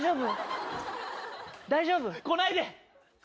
大丈夫？来ないで。